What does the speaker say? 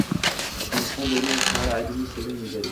افغانستان د غرونه په اړه علمي څېړنې لري.